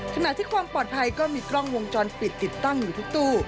ขณะที่ความปลอดภัยก็มีกล้องวงจรปิดติดตั้งอยู่ทุกตู้